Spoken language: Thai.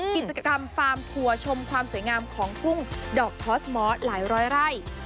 กิจกรรมฟาร์มทัวร์ชมความสวยงามของทุ่งดอกทอสมอสหลายร้อยไร่